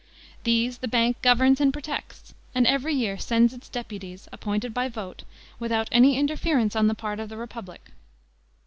These the Bank governs and protects, and every year sends its deputies, appointed by vote, without any interference on the part of the republic.